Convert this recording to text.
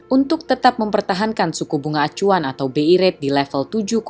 untuk tetap mempertahankan suku bunga acuan atau bi rate di level tujuh